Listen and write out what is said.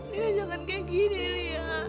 ya jangan kayak gini lia